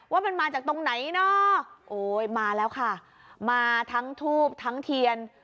ว่ามันมาจากตรงไหนเนอะโอ้ยมาแล้วค่ะมาทั้งทูบทั้งเทียน